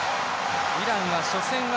イランは初戦は